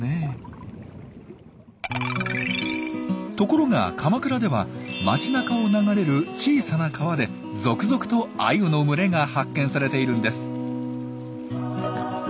ところが鎌倉では街なかを流れる小さな川で続々とアユの群れが発見されているんです。